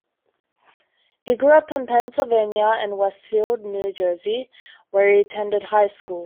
He grew up in Pennsylvania and Westfield, New Jersey, where he attended high school.